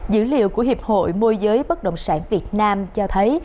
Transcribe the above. dữ liệu của hiệp hội môi giới bất động sản việt nam cho thấy